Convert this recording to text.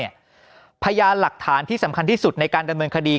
พยานหลักฐานที่สำคัญที่สุดในการดำเนินคดี